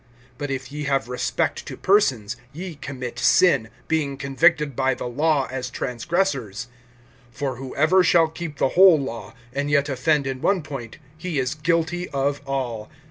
(9)But if ye have respect to persons, ye commit sin, being convicted by the law as transgressors. (10)For whoever shall keep the whole law, and yet offend in one point, he is guilty of all.